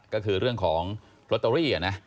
ก็คือเรื่องของลอตเตอรี่นะ